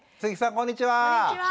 こんにちは。